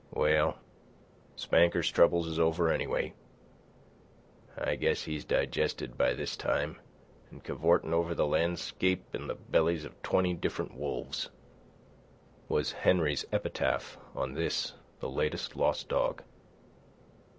"Well, Spanker's troubles is over anyway; I guess he's digested by this time an' cavortin' over the landscape in the bellies of twenty different wolves," was Henry's epitaph on this, the latest lost dog.